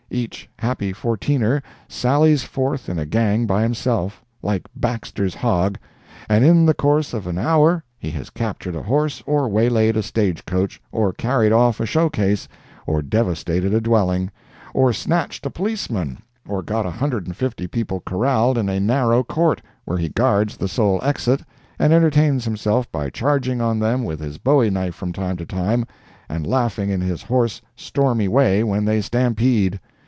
Each happy Fourteener sallies forth in a gang by himself, like Baxter's hog, and in the course of an hour he has captured a horse, or waylaid a stagecoach, or carried off a showcase, or devastated a dwelling, or snatched a policeman, or got a hundred and fifty people corraled in a narrow court, where he guards the sole exit, and entertains himself by charging on them with his bowie knife from time to time, and laughing in his hoarse, stormy way when they stampede.